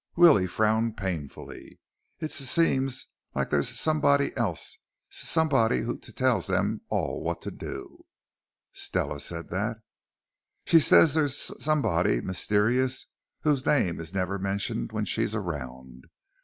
Willie frowned painfully. "It s seems like there's s somebody else. S somebody who t tells them all what to d do." "Stella said that?" "She says there's s somebody mysterious whose name is never mentioned when she's around.